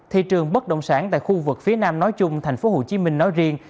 thị trường bất động sản tại khu vực phía nam nói chung thành phố hồ chí minh nói riêng